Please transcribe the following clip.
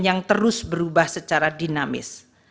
yang terus berubah secara dinamis